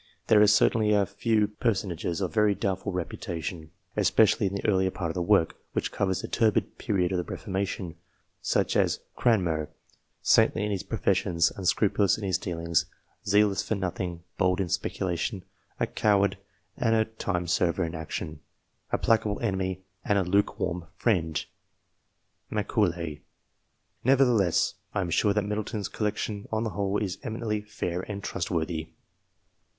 There are certainly a few personages of very doubtful reputation, especially in the earlier part of the work, which covers the turbid period of the Reformation ; such as Cranmer, " saintly in his professions, unscrupulous in his dealings, zealous for nothing, bold in speculation, a coward and a time server in action, a placable enemy, and a lukewarm friend." (Macaulay.) Nevertheless, I am sure that Middleton's collection, on the whole, is eminently fair and trustworthy.